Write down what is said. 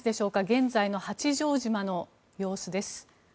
現在の八丈島の様子です。